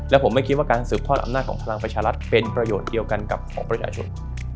และผมไม่คิดว่าการสืบทอดอำนาจของพลังประชารัฐเป็นประโยชน์เดียวกันกับของประชาชน